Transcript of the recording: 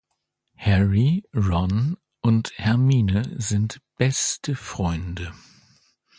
Harry, Ron und Hermine sind beste Freunde.